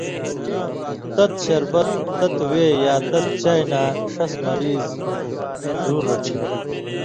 تت شربت، تتوۡ وے یا تتیۡ چائ نہ ݜس مریض دُور رڇھی۔